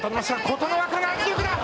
琴ノ若の圧力だ。